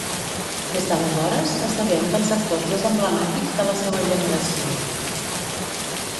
Des d'aleshores, esdevé un dels actors més emblemàtics de la seua generació.